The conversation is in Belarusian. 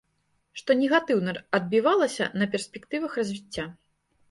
Што негатыўна адбівалася на перспектывах развіцця.